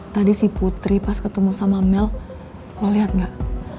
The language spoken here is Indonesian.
tadi si putri pas ketemu sama mel lo liat gak